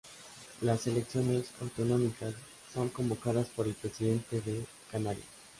Las elecciones autonómicas son convocadas por el presidente de Canarias.